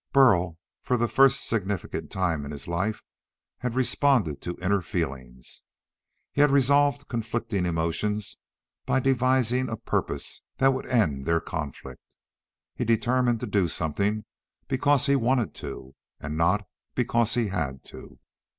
Burl, for the first significant time in his life, had responded to inner feelings. He had resolved conflicting emotions by devising a purpose that would end their conflict. He determined to do something because he wanted to and not because he had to.